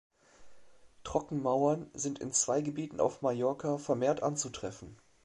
Trockenmauern sind in zwei Gebieten auf Mallorca vermehrt anzutreffen.